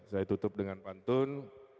saya tutup dengan pantun